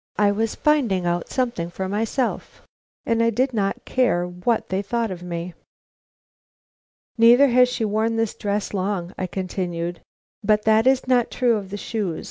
I was finding out something for myself, and I did not care what they thought of me. "Neither has she worn this dress long," I continued; "but that is not true of the shoes.